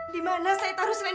di rumah masih banyak pekerjaan